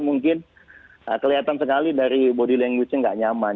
mungkin kelihatan sekali dari body language nya nggak nyaman